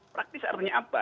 praktis artinya apa